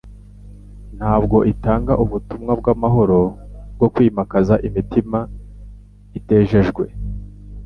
Ntabwo itanga ubutumwa bw'amahoro bwo kwimakaza imitima itejejwe,